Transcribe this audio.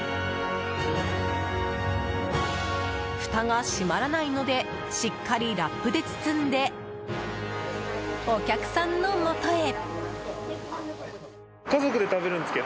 ふたが閉まらないのでしっかりラップで包んでお客さんのもとへ。